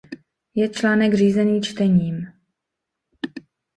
Je článek řízený čtením.